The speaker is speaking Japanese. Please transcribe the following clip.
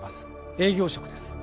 営業職です